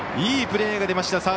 いいプレーが出ました。